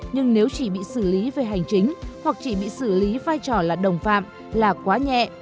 nhưng nếu chỉ bị xử lý về hành chính hoặc chỉ bị xử lý vai trò là đồng phạm là quá nhẹ